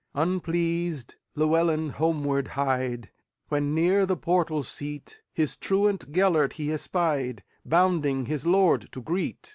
Unpleased Llewelyn homeward hied, When, near the portal seat, His truant Gêlert he espied, Bounding his lord to greet.